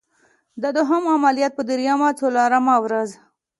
د دوهم عملیات په دریمه څلورمه ورځ.